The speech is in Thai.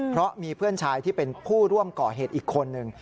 เพราะมีเพื่อนชายที่เป็นผู้ร่วมก่อเหตุอีกคนนึง